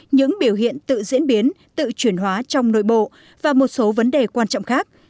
những biểu hiện tự diễn biến tự chuyển hóa trong nội bộ và một số vấn đề quan trọng khác